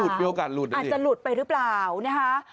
ก็หลุดเป็นโอกาสหลุดอาจจะหลุดไปหรือเปล่านะฮะ